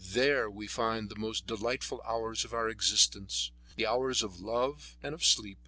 There we find the most delightful hours of our existence, the hours of love and of sleep.